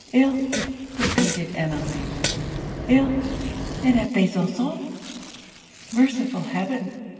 'Ill!' repeated Emmeline. 'Ill, and at Besançon! merciful heaven!'